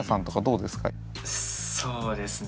そうですね。